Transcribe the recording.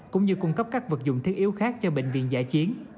cũng như cung cấp các vật dụng thiết yếu khác cho bệnh viện giải chiến